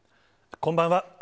こんばんは。